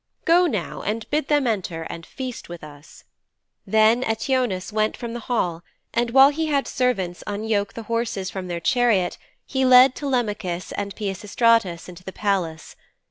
Go now and bid them enter and feast with us.' Then Eteoneus went from the hall, and while he had servants unyoke the horses from their chariot he led Telemachus and Peisistratus into the palace.